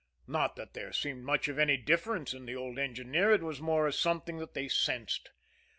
Not that there seemed much of any difference in the old engineer; it was more a something that they sensed.